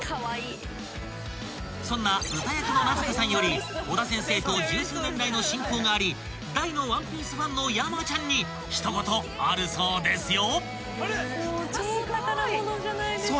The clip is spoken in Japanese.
［そんなウタ役の名塚さんより尾田先生と十数年来の親交があり大の『ワンピース』ファンの山ちゃんに一言あるそうですよ］